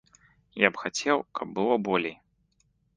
Я б хацеў, каб было болей.